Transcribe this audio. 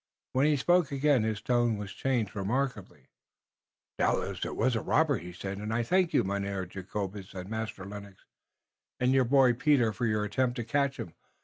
When he spoke again his tone was changed remarkably: "Doubtless it was a robber," he said, "and I thank you, Mynheer Jacobus, and Master Lennox, and your boy Peter, for your attempt to catch him.